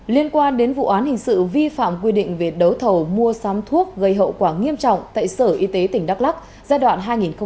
liên quan đến vụ án hình sự vi phạm quy định về đấu thầu mua sắm thuốc gây hậu quả nghiêm trọng tại sở y tế tỉnh đắk lắc giai đoạn hai nghìn một mươi sáu hai nghìn hai mươi